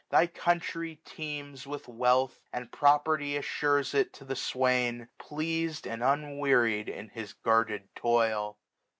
Thy country teems with wealth ; And property assures it to the swain. Pleased and unwearied in his guarded toil.